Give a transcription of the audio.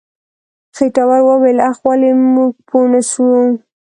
خېټور وويل اخ ولې موږ پوه نه شو.